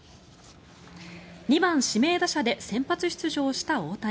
２番指名打者で先発出場した大谷。